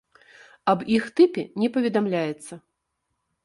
Аб іх тыпе не паведамляецца.